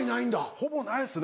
ほぼないですね